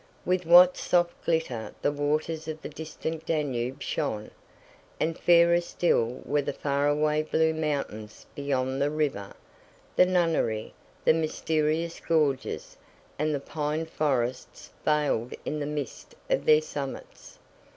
With what soft glitter the waters of the distant Danube shone. And fairer still were the faraway blue mountains beyond the river, the nunnery, the mysterious gorges, and the pine forests veiled in the mist of their summits...